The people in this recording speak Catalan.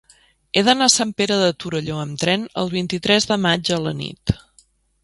He d'anar a Sant Pere de Torelló amb tren el vint-i-tres de maig a la nit.